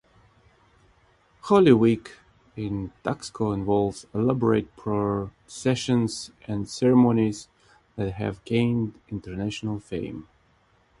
Holy Week in Taxco involves elaborate processions and ceremonies that have gained international fame.